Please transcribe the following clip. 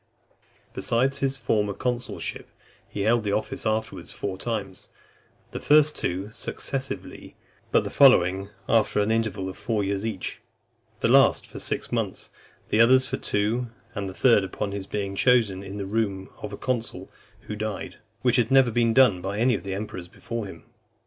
XIV. Besides his former consulship, he held the office afterwards four times; the first two successively , but the following, after an interval of four years each ; the last for six months, the others for two; and the third, upon his being chosen in the room of a consul who died; which had never been done by any of the emperors before him.